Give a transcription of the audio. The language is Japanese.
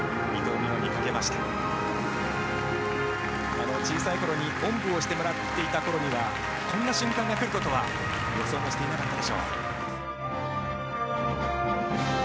あの小さい頃におんぶをしてもらっていた頃にはこんな瞬間が来ることは予想もしていなかったでしょう。